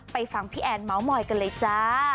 ฟังพี่แอนเมาส์มอยกันเลยจ้า